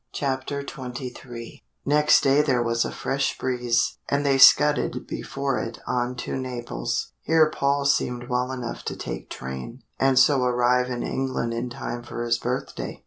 CHAPTER XXIII Next day there was a fresh breeze, and they scudded before it on to Naples. Here Paul seemed well enough to take train, and so arrive in England in time for his birthday.